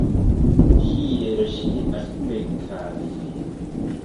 Kiel ŝi aspektas?